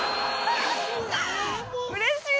うれしい！